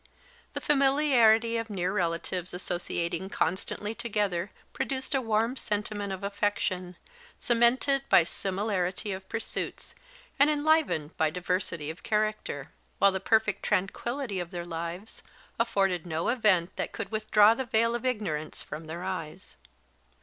The familiarity of near relatives associating constantly together produced a warm sentiment of affection, cemented by similarity of pursuits, and enlivened by diversity of character; while the perfect tranquillity of their lives afforded no event that could withdraw the veil of ignorance from their eyes.